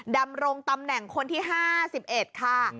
ดำรงตำแหน่งคนที่๕๑ค่ะ